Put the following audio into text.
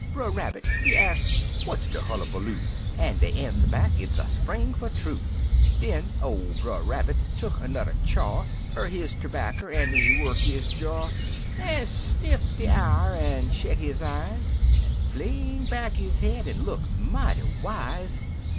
Brer Rabbit, he ax, '' What's de hullabaloo ?" An' dey answer back, '' It's a spring fer true I " Den ol' Brer Rabbit tuck anudder chaw Er his terbacker, an' he work his jaw, An' sniff de a'r, an' shet his eyes, An' fling back his head, an' look mighty wise.